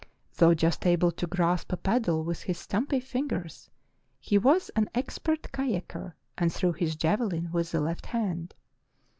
Though just able to grasp a paddle with his stumpy fingers, he was an expert kayaker and threw his javelin with the left hand.